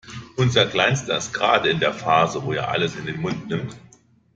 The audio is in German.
Unser Kleinster ist gerade in der Phase, wo er alles in den Mund nimmt.